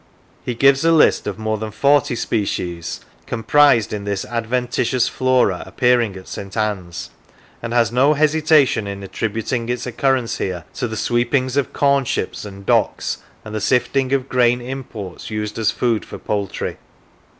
He gives a list of more than forty species comprised in this adventitious flora appearing at St. Anne's, and has no hesitation in attri 161 x Lancashire buting its occurrence here to the sweepings of corn ships and docks and the sifting of grain imports used as food for poultry.